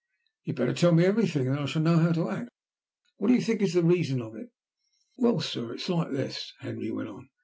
"You had better tell me everything, then I shall know how to act. What do you think is the reason of it?" "Well, sir, it's like this," Henry went on.